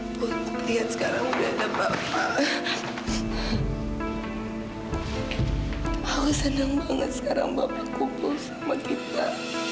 ibu itu rancangan kamu menerima khusus alam juga